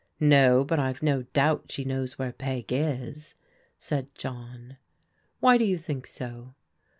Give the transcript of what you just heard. " No, but I've no doubt she knows where Peg is," said John. Why do yo^ think so?